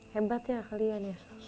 hebat ya kalian ya